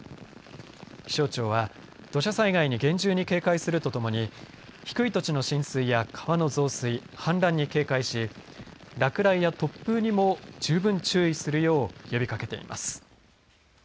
気象庁は土砂災害に厳重に警戒するとともに低い土地の浸水や川の増水氾濫に警戒し落雷や突風にも十分注意するよう呼びかけています。